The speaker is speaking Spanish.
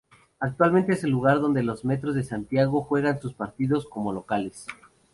Actualmente es el lugar donde los Metros de Santiago juegan sus partidos como locales.